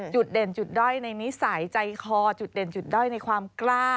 จุดเด่นจุดด้อยในนิสัยใจคอจุดเด่นจุดด้อยในความกล้า